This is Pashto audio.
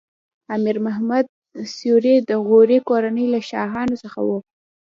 امیر محمد سوري د غوري کورنۍ له شاهانو څخه و.